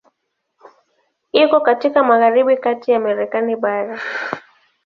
Iko katika magharibi kati ya Marekani bara.